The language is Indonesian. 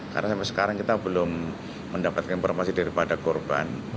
dan mendapatkan informasi daripada korban